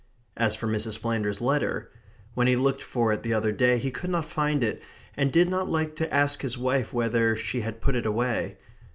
As for Mrs. Flanders's letter when he looked for it the other day he could not find it, and did not like to ask his wife whether she had put it away.